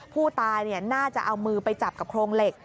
ผู้ตายน่าจะเอามือไปจับกับโครงเหล็ก